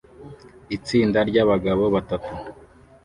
Itsinda ry'abagabo batatu